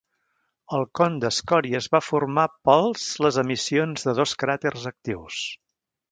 El con d"escòria es va formar pels les emissions de dos cràters actius.